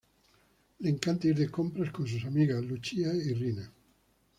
Le encanta ir de compras con sus amigas Luchia y Rina.